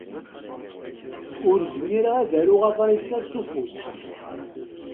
Ur zmireɣ ad aruɣ aḍris-a s ufus.